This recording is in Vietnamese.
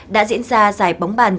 đã diễn ra giải bóng bàn